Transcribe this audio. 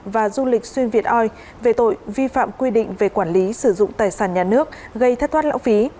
và du lịch xuyên việt oi về tội vi phạm quy định về quản lý sử dụng tài sản nhà nước gây thất thoát lão phí